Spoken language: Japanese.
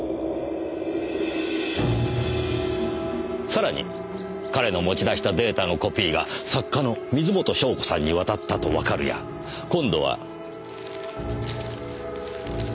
さらに彼の持ち出したデータのコピーが作家の水元湘子さんに渡ったとわかるや今度は。